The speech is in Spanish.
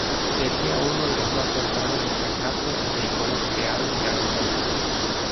Sería uno de los más tempranos de esta clase de iconos creados milagrosamente.